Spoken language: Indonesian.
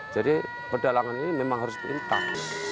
jadi perdalangan ini memang harus pintar